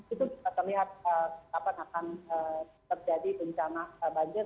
itu terlihat akan terjadi bencana banjir